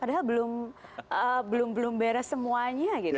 padahal belum belum belum beres semuanya gitu